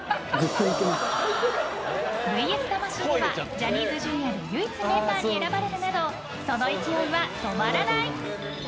「ＶＳ魂」ではジャニーズＪｒ．で唯一メンバーに選ばれるなどその勢いは止まらない！